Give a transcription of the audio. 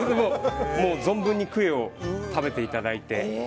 存分にクエを食べていただいて。